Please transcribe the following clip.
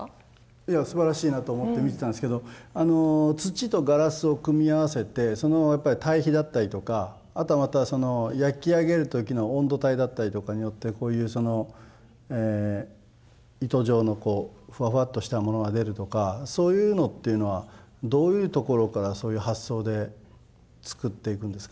いやすばらしいなと思って見てたんですけど土とガラスを組み合わせてそのやっぱり対比だったりとかあとはまた焼き上げる時の温度帯だったりとかによってこういう糸状のフワフワっとしたものが出るとかそういうのっていうのはどういうところからそういう発想で作っていくんですか？